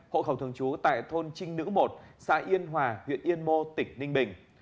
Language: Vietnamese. hộ khẩu thường trú tại thôn trinh nữ một xã yên hòa huyện yên mô tỉnh ninh bình